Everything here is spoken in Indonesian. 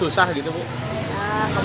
kembung tauko udang cumi juga sama